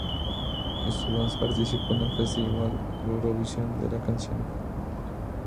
Y su "Dance" participó en el "Festival Eurovisión de la Canción".